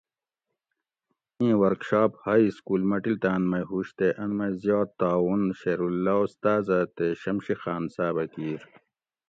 ایں ورکشاپ ھائ اسکول مٹلتان مئ ہوش تے ان مئ زیات تعاون شیراللّٰہ استازہ تے شمشی خان صابہ کیر